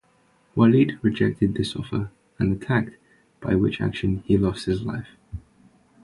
Walid rejected this offer and attacked, by which action he lost his life.